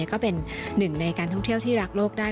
ก็เป็นหนึ่งในการท่องเที่ยวที่รักโลกได้